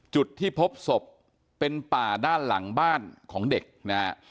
จุดที่พบศพเป็นป่าด้านหลังบ้านของเด็กนะฮะ